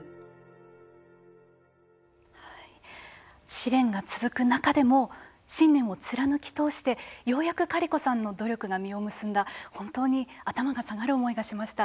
試練が続く中でも信念を貫き通してようやくカリコさんの努力が実を結んだ本当に頭が下がる思いがしました。